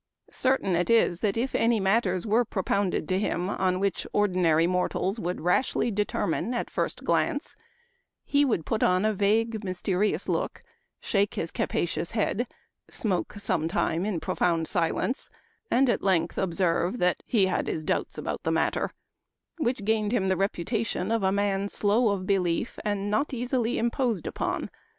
Certain it is that if any matters were propounded Memoir of Washington Irving. 59 to him on which ordinary mortals would rashly determine at first glance, he would put on a vague, mysterious look, shake his capacious head, smoke some time in profound silence, and at length observe that ' he had his doubts about the matter ;' which gained him the reputation of a man slow of belief and not easily imposed upon.